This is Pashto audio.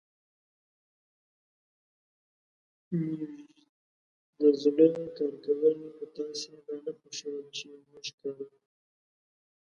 موژدزړه کارکول خوتاسی دانه خوښول چی موژکاروکوو